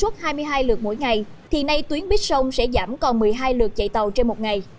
khi nay tuyến bít sông sẽ giảm còn một mươi hai lượt chạy tàu trên một ngày